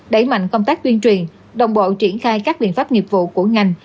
đẩy mạnh công tác tuyên truyền đồng bộ triển khai các biện pháp nghiệp vụ của ngành